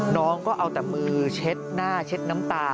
น้องก็เอาแต่มือเช็ดหน้าเช็ดน้ำตา